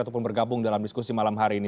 ataupun bergabung dalam diskusi malam hari ini